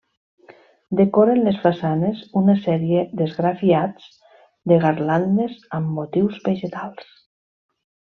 Decoren les façanes una sèrie d'esgrafiats de garlandes amb motius vegetals.